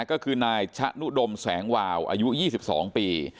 ก็คือนายชะนุดมแสงวาวอายุยี่สิบสองปี